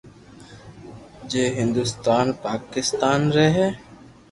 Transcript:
جي هندستان، پاڪستان رھي ھي